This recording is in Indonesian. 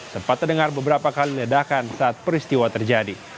sempat terdengar beberapa kali ledakan saat peristiwa terjadi